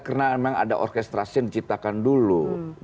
karena memang ada orkestrasi yang diciptakan dulu